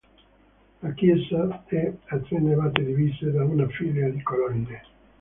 La chiesa è a tre navate divise da una fila di colonne.